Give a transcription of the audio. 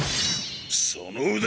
その腕！